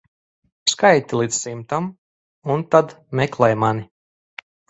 Skaiti līdz simtam un tad meklē mani.